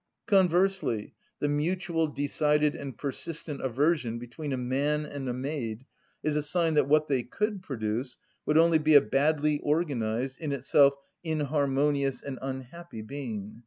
Conversely, the mutual, decided and persistent aversion between a man and a maid is a sign that what they could produce would only be a badly organised, in itself inharmonious and unhappy being.